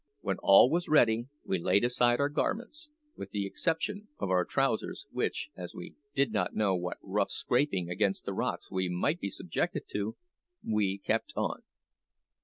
When all was ready we laid aside our garments, with the exception of our trousers, which, as we did not know what rough scraping against the rocks we might be subjected to, we kept on.